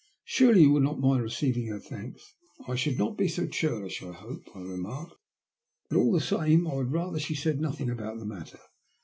Surely you will not mind receiving her thanks ?"" I should not be so churlish, I hope," I remarked ;" but all the same, I would rather she said nothing about the matter.